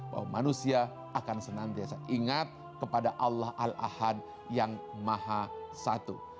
bahwa manusia akan senantiasa ingat kepada allah al ahad yang maha satu